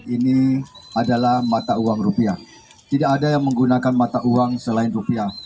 ini adalah mata uang rupiah tidak ada yang menggunakan mata uang selain rupiah